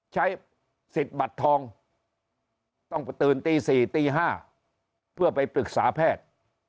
ใช้สิทธิ์บัตรทองต้องตื่นตี๔ตี๕เพื่อไปปรึกษาแพทย์